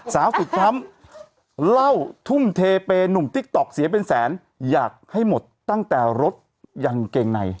ฝึกช้ำเล่าทุ่มเทเปย์หนุ่มติ๊กต๊อกเสียเป็นแสนอยากให้หมดตั้งแต่รถยันเกงใน